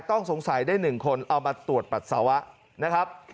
ต้องสงสัยได้๑คนเอามาตรวจปัสสาวะนะครับ